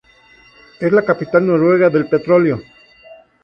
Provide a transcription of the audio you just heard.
Es la capital noruega del petróleo.